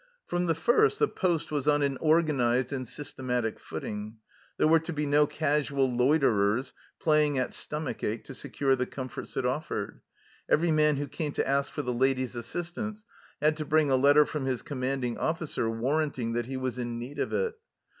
From the first the poste was on an organized and systematic footing. There were to be no casual loiterers playing at stomach ache to secure the comforts it offered ; every man who came to ask for the ladies' assistance had to bring a letter from his commanding officer warranting that he was in need of it.